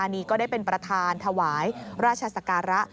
นี่ก็ได้เป็นประธานถวายราชศักระ